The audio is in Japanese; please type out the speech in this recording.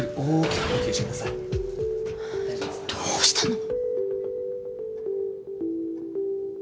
どうしたの！？